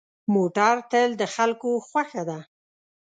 موټر تل د خلکو خوښه ده.